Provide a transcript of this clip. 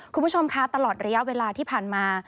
คุณผู้ชมคะตลอดระยะเวลาที่ผ่านมา